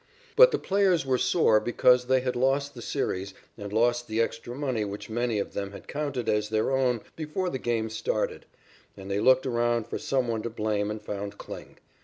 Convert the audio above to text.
But the players were sore because they had lost the series and lost the extra money which many of them had counted as their own before the games started, and they looked around for some one to blame and found Kling.